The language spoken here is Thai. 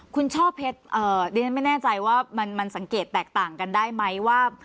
คุณช่อเพชรดิฉันไม่แน่ใจว่ามันสังเกตแตกต่างกันได้ไหมว่า